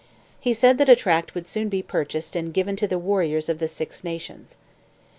He said that a tract would soon be purchased and given to the warriors of the Six Nations.